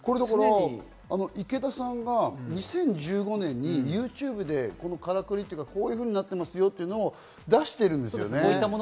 池田さんが２０１５年にＹｏｕＴｕｂｅでこのからくり、こういうふうになってますよというのを出しているんですよね。